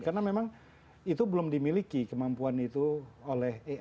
karena memang itu belum dimiliki kemampuan itu oleh ai